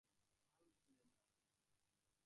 পাল খুলে দাও।